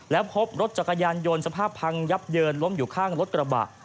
แล้วพบรถจักรยานยนต์สภาพพังยับเยินล้มอยู่ข้างรถกระบะ